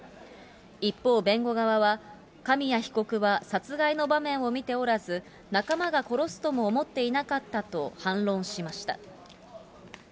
一方、弁護側は紙谷被告は殺害の場面を見ておらず、仲間が殺すとも思っていなかったと反論しました。